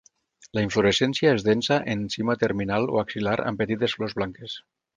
La inflorescència és densa en cima terminal o axil·lar amb petites flors blanques.